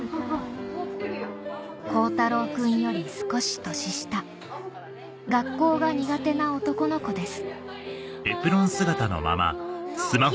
こうたろうくんより少し年下学校が苦手な男の子です